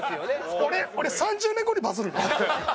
俺３０年後にバズるの？